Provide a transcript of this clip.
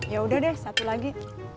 yaudah deh satu lagi